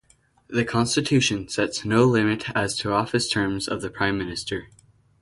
The constitution sets no limit as to office terms of the prime minister.